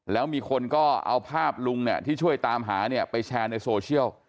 แล้วมีคนก็เอาภาพลุงเนี่ยที่ช่วยตามหาเนี่ยไปแชร์ในโซเชียล